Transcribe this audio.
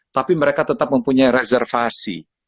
tapi mereka tetap mempunyai reservasi